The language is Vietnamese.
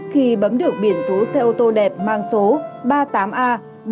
khi bấm được biển số xe ô tô đẹp mang số ba mươi tám a bốn mươi năm nghìn sáu trăm bảy mươi tám